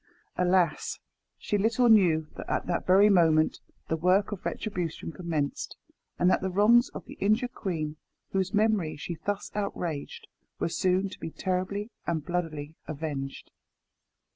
Alas! she little knew that at that very moment the work of retribution commenced, and that the wrongs of the injured queen, whose memory she thus outraged, were soon to be terribly and bloodily avenged.